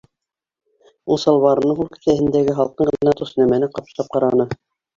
Ул салбарының һул кеҫәһендәге һалҡын ғына тос нәмәне ҡапшап ҡараны.